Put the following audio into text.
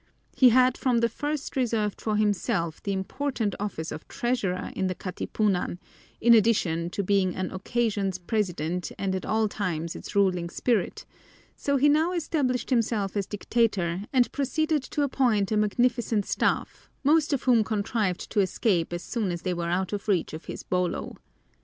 He had from the first reserved for himself the important office of treasurer in the Katipunan, in addition to being on occasions president and at all times its ruling spirit, so he now established himself as dictator and proceeded to appoint a magnificent staff, most of whom contrived to escape as soon as they were out of reach of his bolo.